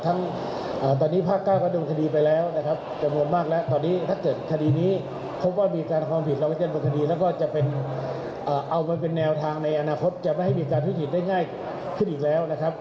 ทั้งตอนนี้ภาคเก้าก็โดนคดีไปแล้วนะครับจำนวนมากแล้วตอนนี้ถ้าเกิดคดีนี้พบว่ามีการความผิดเราก็จะบนคดีแล้วก็จะเป็นเอามาเป็นแนวทางในอนาคตจะไม่ให้มีการทุจริตได้ง่ายขึ้นอีกแล้วนะครับ